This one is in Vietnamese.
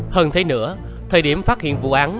hơn thế nữa thời điểm phát hiện vụ án